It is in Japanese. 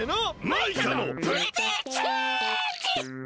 マイカのプリティーチェンジ！